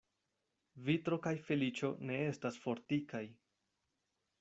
Vitro kaj feliĉo ne estas fortikaj.